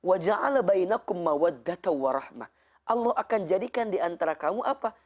allah akan jadikan diantara kamu apa